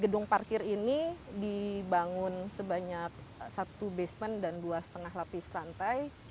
gedung parkir ini dibangun sebanyak satu basement dan dua lima lapis lantai